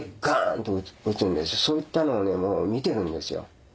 そういったのを見てるんですよ。